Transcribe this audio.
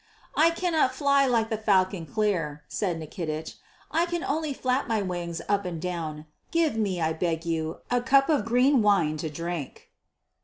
"I cannot fly like the falcon clear," said Nikitich, "I can only flap my wings up and down. Give me, I beg of you, a cup of green wine to drink."